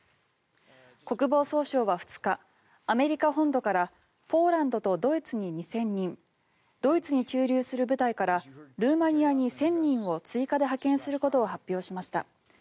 国防総省は２日アメリカ本土からポーランドとドイツに２０００人ドイツに駐留する部隊からルーマニアに１０００人を追加で派遣することを発表しました。